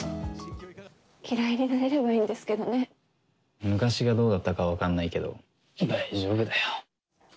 嫌いになれればいいんですけ昔がどうだったか分かんないけど、大丈夫だよ。